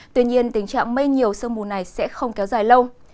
tuy nhiên tình trạng mây nhiều sương mù này sẽ không kéo dài lâu